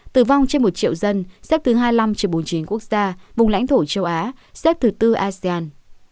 tử vong trên một triệu dân xếp thứ hai mươi năm trên bốn mươi chín quốc gia vùng lãnh thổ châu á xếp thứ tư asean